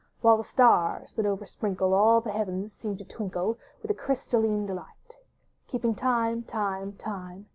While the stars, that oversprinkle All the heavens, seem to twinkle With a crystalline delight; Keeping time, time, time.